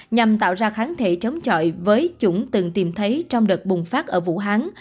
nhằm tạo ra kháng thể chống chọi với chủng từng tìm thấy trong đợt bùng phát ở vũ hán